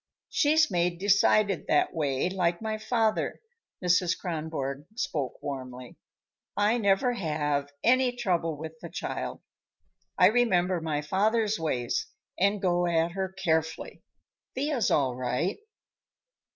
She's made decided that way, like my father." Mrs. Kronborg spoke warmly. "I never have any trouble with the child. I remember my father's ways and go at her carefully. Thea's all right."